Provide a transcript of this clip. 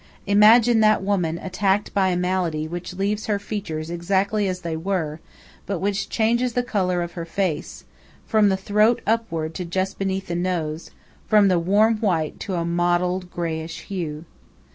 Imagine that woman attacked by a malady which leaves her features exactly as they were, but which changes the color of her face from the throat upward to just beneath the nose from the warm white to a mottled, greyish hue.